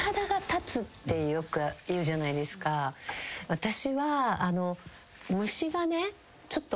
私は。